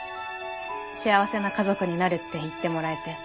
「幸せな家族になる」って言ってもらえて。